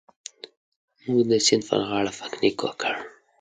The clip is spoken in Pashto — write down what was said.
موږ د سیند پر غاړه پکنیک وکړ.